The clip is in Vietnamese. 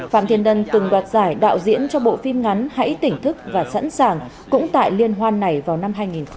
phạm thiên từng đoạt giải đạo diễn cho bộ phim ngắn hãy tỉnh thức và sẵn sàng cũng tại liên hoan này vào năm hai nghìn hai mươi